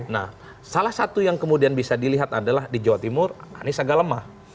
nah salah satu yang kemudian bisa dilihat adalah di jawa timur anies agak lemah